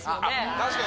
確かに。